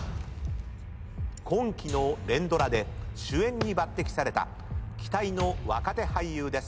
今期の連ドラで主演に抜てきされた期待の若手俳優です。